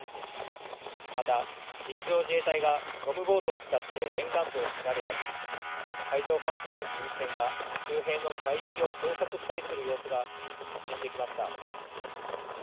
また陸上自衛隊がゴムボートを使って沿岸部を調べたり海上保安庁の巡視船が周辺の海域を捜索したりする様子が確認できました。